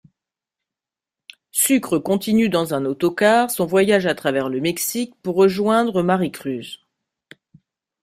Sucre continue dans un autocar son voyage à travers le Mexique pour rejoindre Maricruz.